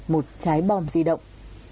một trái bom di động